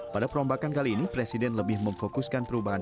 pada perombakan kali ini presiden lebih memfokuskan perubahan